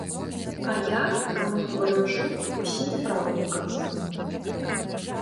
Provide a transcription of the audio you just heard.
А я, каму ні варажыў, усім праўду казаў.